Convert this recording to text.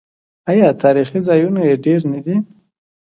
آیا تاریخي ځایونه یې ډیر نه دي؟